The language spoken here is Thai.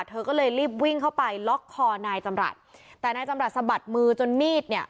เธอก็เลยรีบวิ่งเข้าไปล็อกคอนายจำรัฐแต่นายจำรัฐสะบัดมือจนมีดเนี่ย